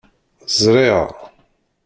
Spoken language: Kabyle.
Ẓṛiɣ.